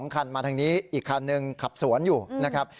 คันมาทางนี้อีกคันหนึ่งขับสวนอยู่นะครับ